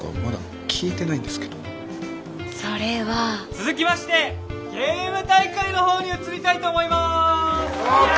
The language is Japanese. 続きましてゲーム大会のほうに移りたいと思います。